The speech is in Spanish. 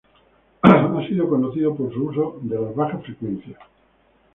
Ha sido conocido por su uso de las bajas frecuencias.